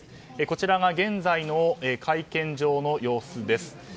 こちらが現在の会見場の様子です。